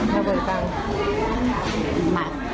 มาเบิกตังค์